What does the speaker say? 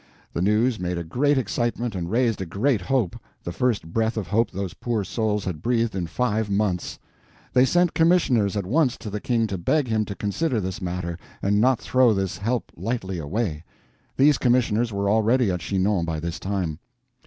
The news made a great excitement and raised a great hope—the first breath of hope those poor souls had breathed in five months. They sent commissioners at once to the King to beg him to consider this matter, and not throw this help lightly away. These commissioners were already at Chinon by this time.